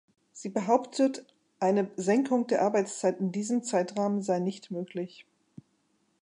Sie behauptet, eine Senkung der Arbeitszeit in diesem Zeitrahmen sei nicht möglich.